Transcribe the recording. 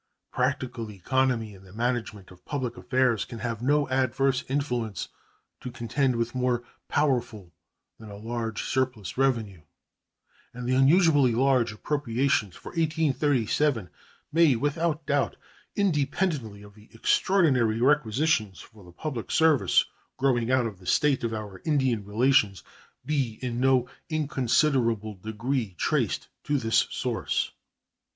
Practical economy in the management of public affairs can have no adverse influence to contend with more powerful than a large surplus revenue, and the unusually large appropriations for 1837 may without doubt, independently of the extraordinary requisitions for the public service growing out of the state of our Indian relations, be in no inconsiderable degree traced to this source.